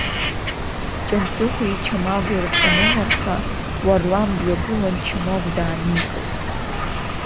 Џьансыхәи Чамагәи рҿанынарха, Уарлам дҩагылан Чамагә дааникылт.